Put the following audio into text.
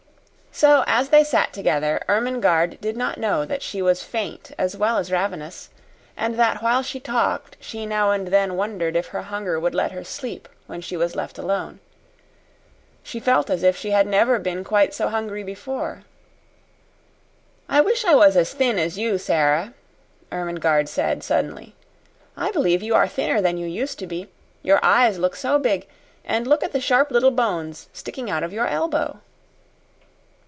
So, as they sat together, Ermengarde did not know that she was faint as well as ravenous, and that while she talked she now and then wondered if her hunger would let her sleep when she was left alone. She felt as if she had never been quite so hungry before. "I wish I was as thin as you, Sara," Ermengarde said suddenly. "I believe you are thinner than you used to be. Your eyes look so big, and look at the sharp little bones sticking out of your elbow!"